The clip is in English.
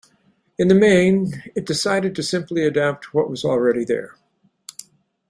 In the main, it decided to simply adapt what was already there.